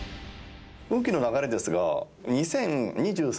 運気の流れですが。